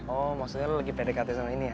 oh maksudnya lagi pdkt sama ini ya